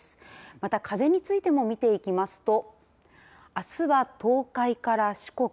また風についても見ていきますとあすは東海から四国